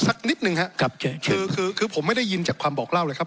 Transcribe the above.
สักนิดนึงครับคือคือผมไม่ได้ยินจากความบอกเล่าเลยครับ